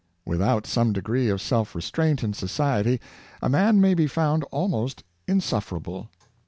Without some degree of self restraint in society a man may be found almost insuffer able.